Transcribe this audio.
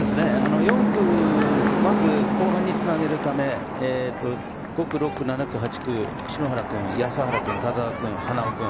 ４区はまず後半につなげるため５区、６区、７区、８区篠原君、安原君。